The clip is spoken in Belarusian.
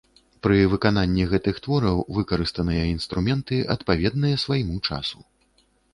Пры выкананні гэтых твораў выкарыстаныя інструменты, адпаведныя свайму часу.